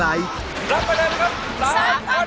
รับมาได้แล้วครับ